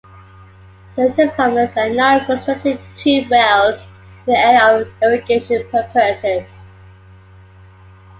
Certain farmers are now constructing tubewells in the area for irrigation purposes.